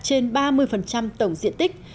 trên ba mươi tổng diện tích